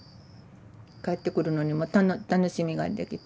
帰ってくるのにも楽しみができて。